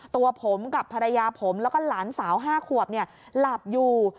ตัวผมกับภรรยาผมแล้วก็หลานสาว๕ขวบหลับอยู่